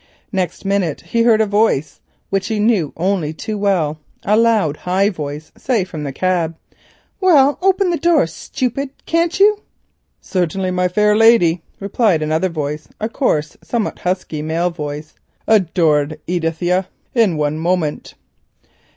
Next minute he heard a voice, which he knew only too well, a loud high voice say from the cab, "Well, open the door, stupid, can't you?" "Certainly, my lady fair," replied another voice—a coarse, somewhat husky male voice—"adored Edithia, in one moment."